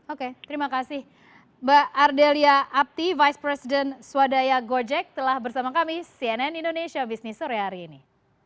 oke terima kasih mbak ardelia apti vice president swadaya gojek telah bersama kami cnn indonesia business sore hari ini